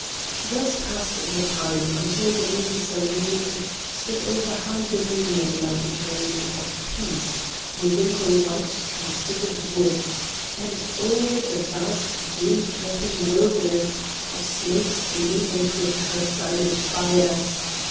Thus passed the time, until the moon serene Stood over high dominion like a dream Of peace: within the white, transfigured woods; And o'er the vast dew dripping wilderness Of slopes illumined with her silent fires.